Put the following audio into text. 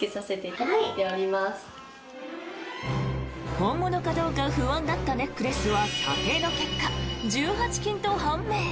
本物かどうか不安だったネックレスは査定の結果１８金と判明。